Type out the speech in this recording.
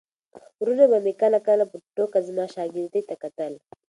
وروڼو به مې کله کله په ټوکه زما شاګردۍ ته کتل.